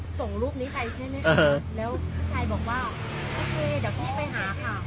ส่งรูปนี้ไปใช่ไหมคะแล้วพี่ชายบอกว่าโอเคเดี๋ยวพี่ไปหาค่ะ